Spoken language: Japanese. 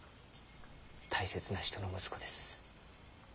大切な人の息子です。